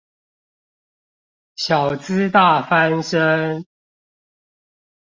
小資大翻身